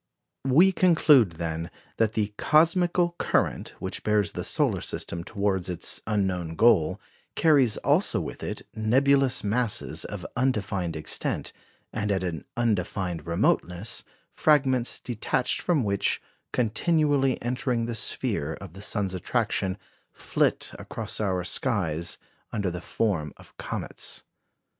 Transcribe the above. We conclude, then, that the "cosmical current" which bears the solar system towards its unknown goal carries also with it nebulous masses of undefined extent, and at an undefined remoteness, fragments detached from which, continually entering the sphere of the sun's attraction, flit across our skies under the form of comets.